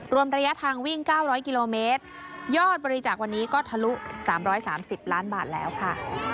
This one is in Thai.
รวมระยะทางวิ่งเก้าร้อยกิโลเมตรยอดบริจาควันนี้ก็ทะลุสามร้อยสามสิบล้านบาทแล้วค่ะ